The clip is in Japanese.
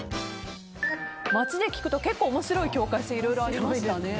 街で聞くと結構、面白い境界線いろいろありましたね。